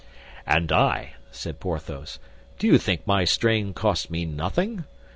"And I," said Porthos, "do you think my strain cost me nothing?